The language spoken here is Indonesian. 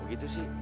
gak gitu sih